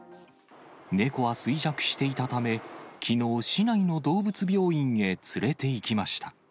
猫は衰弱していたため、きのう、市内の動物病院へ連れていきました。